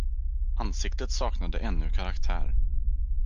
Ansiktet saknade ännu karaktär.